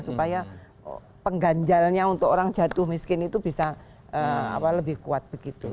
supaya pengganjalnya untuk orang jatuh miskin itu bisa lebih kuat begitu